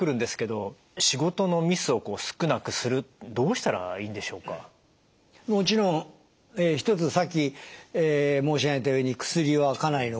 もちろん一つさっき申し上げたように薬はかなりの効果があります。